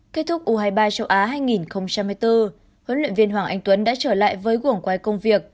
kết thúc u hai mươi ba châu á hai nghìn hai mươi bốn huấn luyện viên hoàng anh tuấn đã trở lại với gồng quái công việc